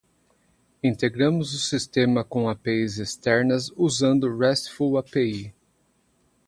Integramos o sistema com APIs externas usando RESTful API.